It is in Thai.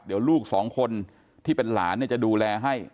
เดี๋ยวลูกสองคนที่เป็นหลานจะดูแลให้